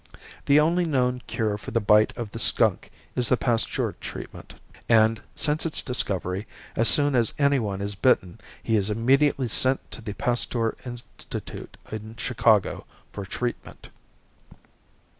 The only known cure for the bite of the skunk is the Pasteur treatment and, since its discovery, as soon as anyone is bitten, he is immediately sent to the Pasteur Institute in Chicago for treatment.